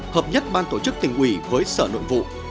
hợp nhất ban tổ chức tỉnh ủy với sở nội vụ